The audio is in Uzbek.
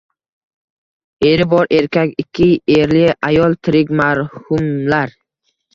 Eri bor erkak, ikki erli ayol, tirik marhumlar